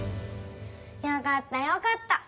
よかったよかった。